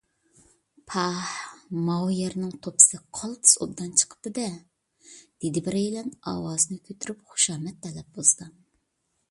پاھ، ماۋۇ يەرنىڭ توپىسى قالتىس ئوبدان چىقىپتۇ - دە! _ دېدى بىرەيلەن ئاۋازىنى كۈتۈرۈپ خۇشامەت تەلەپپۇزىدا.